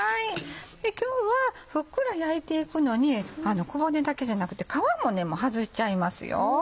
今日はふっくら焼いていくのに小骨だけじゃなくて皮もねもう外しちゃいますよ。